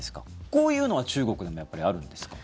こういうのは中国でもやっぱりあるんですか？